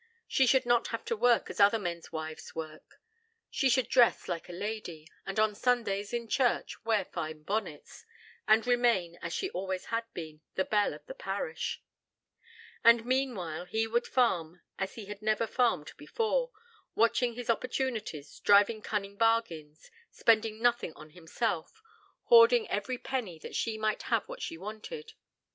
She should not have to work as other men's wives worked: she should dress like a lady, and on Sundays, in church, wear fine bonnets, and remain, as she had always been, the belle of all the parish. And, meanwhile, he would farm as he had never farmed before, watching his opportunities, driving cunning bargains, spending nothing on himself, hoarding every penny that she might have what she wanted....